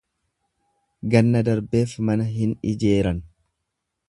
Ganna darbeef mana hin ijeeran.